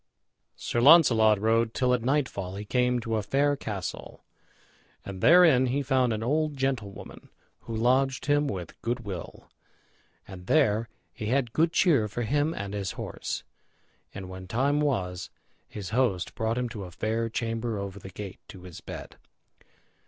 Sir Launcelot rode till at nightfall he came to a fair castle, and therein he found an old gentlewoman, who lodged him with good will, and there he had good cheer for him and his horse. And when time was, his host brought him to a fair chamber over the gate to his bed.